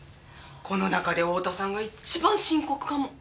この中で太田さんが一番深刻かも。